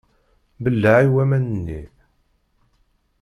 Belleε i waman-nni!